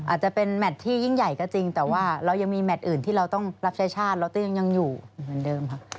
อาจจะเป็นแมทที่ยิ่งใหญ่ก็จริงแต่ว่าเรายังมีแมทอื่นที่เราต้องรับใช้ชาติเราก็ยังอยู่เหมือนเดิมค่ะ